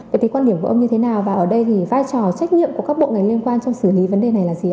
vậy thì quan điểm của ông như thế nào và ở đây thì vai trò trách nhiệm của các bộ ngành liên quan trong xử lý vấn đề này là gì ạ